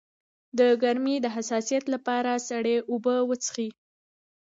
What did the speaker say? د ګرمۍ د حساسیت لپاره سړې اوبه وڅښئ